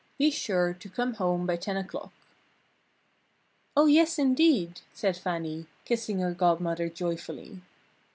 Be sure to come home by ten o'clock." "Oh, yes, indeed!" said Fannie, kissing her Godmother joyfully.